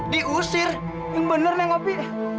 diusir yang bener neng opi